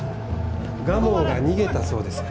蒲生が逃げたそうです。